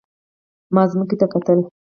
ما ځمکې ته کتل.